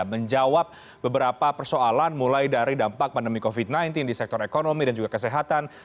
menjawab beberapa persoalan mulai dari dampak pandemi covid sembilan belas di sektor ekonomi dan juga kesehatan